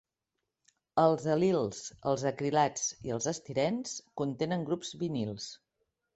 Els al·lils, els acrilats i els estirens contenen grups vinils.